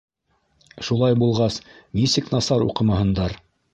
Шулай булғас, нисек насар уҡымаһындар!